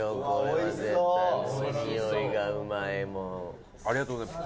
伊達：ありがとうございます。